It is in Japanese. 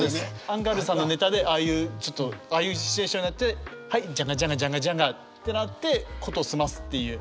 アンガールズさんのネタでああいうちょっとああいうシチュエーションはいジャンガジャンガジャンガジャンガってなって事を済ますっていう。